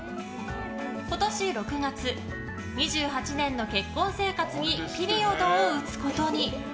今年６月、２８年の結婚生活にピリオドを打つことに。